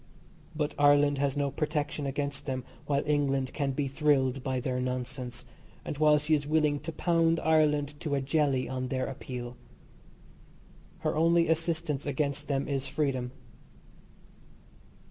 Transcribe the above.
But Ireland has no protection against them while England can be thrilled by their nonsense, and while she is willing to pound Ireland to a jelly on their appeal. Her only assistance against them is freedom.